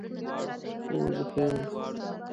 هو، زه ښه یم